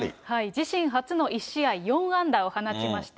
自身初の１試合４安打を放ちました。